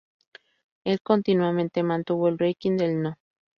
Él continuamente mantuvo el ranking del No.